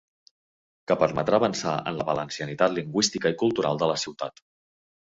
...que permetera avançar en la valencianitat lingüística i cultural de la ciutat.